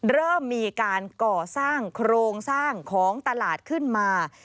เริ่มมีการก่อสร้างโครงสร้างของตลาดขึ้นมา